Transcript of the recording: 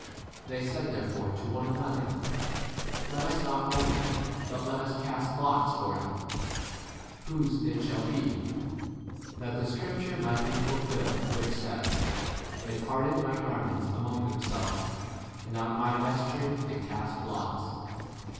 They said therefore to one another, Let us not rend it, but let us cast lots for it, whose it shall be ; that the scripture might be fulfilled which says, They parted my garments among themselves, and on my vesture they cast lots.